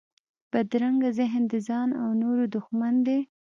بدرنګه ذهن د ځان او نورو دښمن دی